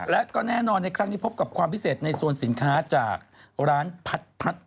และก็แน่นอนในครั้งนี้พบกับความพิเศษในโซนสินค้าจากร้านพัด